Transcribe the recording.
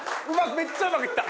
めっちゃうまくいった。